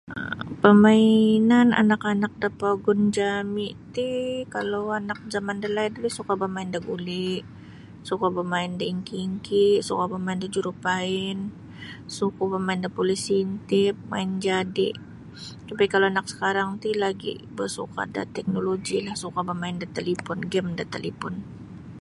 Parmainan anak da pogun jami ti kalau anak da laid ri suka bamain da guli suka bamain da ingki-ingki, suka bamain da jurupain suka bamain da pulis intip main jadi tapi anak sakarang ti lagi ba suka da teknologi suka bamain da talipum game da talipun.